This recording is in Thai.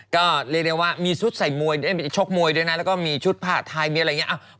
ก็เรียกได้ว่ามีชุดใส่มวยโชคมวยมีชุดผ้าไทยมีอะไรอย่างงี้